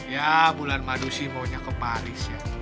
ya bulan madu sih maunya ke paris ya